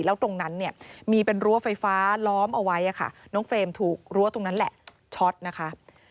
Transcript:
แล้วตรงนั้นเนี่ยมีเป็นรั้วไฟฟ้าล้อมเอาไว้ค่ะน้องเฟรมถูกรั้วตรงนั้นแหละช็อตนะคะ